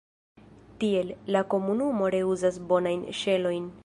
Tiel, la komunumo reuzas bonajn ŝelojn.